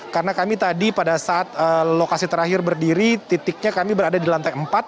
karena kami tadi pada saat lokasi terakhir berdiri titiknya kami berada di lantai empat